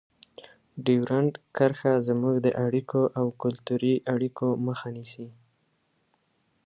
ډیورنډ کرښه زموږ د اړیکو او کلتوري اړیکو مخه نیسي.